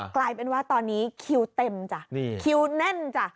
กลายเป็นว่าตอนนี้คิวเต็มจ้ะคิวแน่นจ้ะ